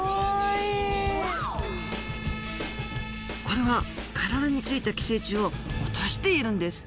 これは体についた寄生虫を落としているんです